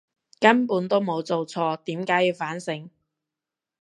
根本都冇做錯，點解要反省！